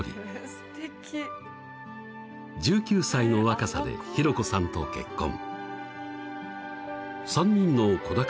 １９歳の若さで博子さんと結婚